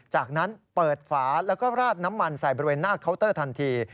จากนั้นเปิดฝาแล้วก็ราดน้ำมันใส่บริเวณหน้าเคาน์เตอร์ทันที